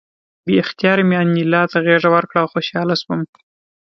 بې اختیاره مې انیلا ته غېږ ورکړه او خوشحاله شوم